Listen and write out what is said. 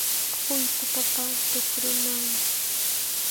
Huytu papa tukrunaw